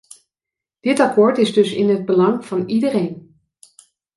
Dit akkoord is dus in het belang van iedereen.